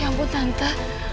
ya ampun tante